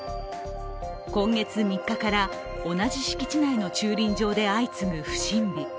今月３日から同じ敷地内の駐輪場で相次ぐ不審火。